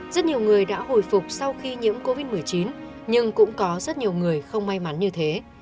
rất nhiều người đã hồi phục sau khi nhiễm covid một mươi chín nhưng cũng có rất nhiều người không may mắn như thế